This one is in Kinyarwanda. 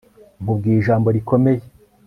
nkubwiye ijambo rikomeye